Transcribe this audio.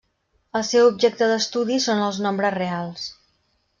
El seu objecte d'estudi són els nombres reals.